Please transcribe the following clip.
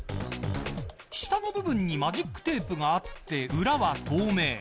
下の部分にマジックテープがあって裏は透明。